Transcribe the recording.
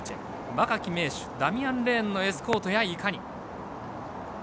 若き名手、ダミアン・レーンのエスコートや、いかに。